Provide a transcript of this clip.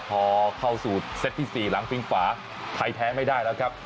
พอเข้าสู่เซตที่๔หลังฟิงฝาไทยแพ้ไม่ได้แล้วครับ